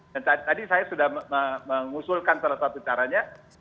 dan tadi saya sudah mengusulkan salah satu caranya